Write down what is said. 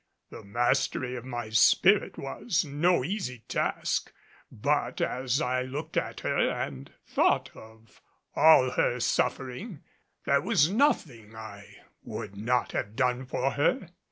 The mastery of my spirit was no easy task, but as I looked at her and thought of all her suffering there was nothing I would not have done for her.